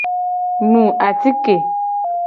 Nu atike.